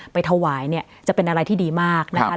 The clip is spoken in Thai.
ไปถวายเนี่ยจะเป็นอะไรที่ดีมากนะคะ